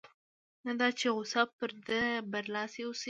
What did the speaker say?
نه دا چې غوسه پر ده برلاسې اوسي.